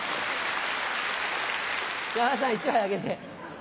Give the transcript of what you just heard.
山田さん１枚あげて。